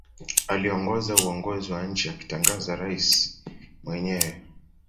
Aliongoza uongozi wa nchi akitangaza rais mwenyewe